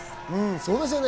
そうですよね。